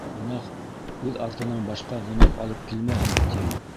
Гонаһ үҙ артынан башҡа гонаһ алып килмәһен, тим.